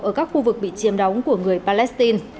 ở các khu vực bị chiêm đóng của người palestine